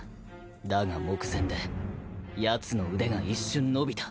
だが目前でやつの腕が一瞬伸びた。